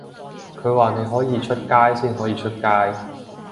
佢話你可以出街先可以出街